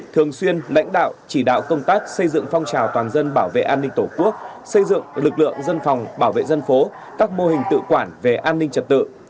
thường xuyên lãnh đạo chỉ đạo công tác xây dựng phong trào toàn dân bảo vệ an ninh tổ quốc xây dựng lực lượng dân phòng bảo vệ dân phố các mô hình tự quản về an ninh trật tự